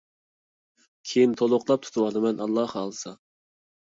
كېيىن تولۇقلاپ تۇتۇۋالىمەن ئاللاھ خالىسا!